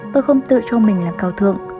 tôi không tự cho mình là cao thượng